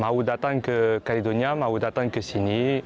mau datang ke karidonia mau datang ke sini